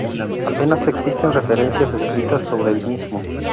Apenas existen referencias escritas sobre el mismo.